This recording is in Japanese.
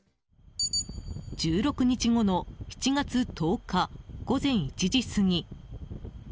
１６日後の７月１０日午前１時過ぎ。